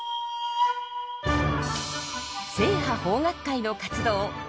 正派邦楽会の活動